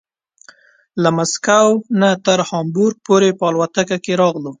له مسکو نه تر هامبورګ پورې په الوتکه کې راغلو.